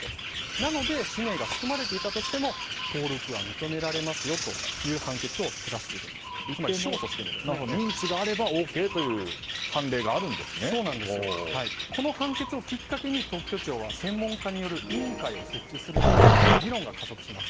なので氏名が含まれていたとしても登録は認められますよという認知があればＯＫという判例がこの判決をきっかけに特許庁は専門家による委員会を設置するなど議論が加速します。